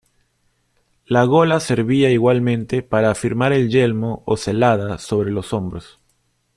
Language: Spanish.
La gola servía igualmente para afirmar el yelmo o celada sobre los hombros.